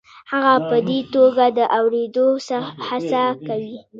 هغه په دې توګه د اورېدو هڅه کوي.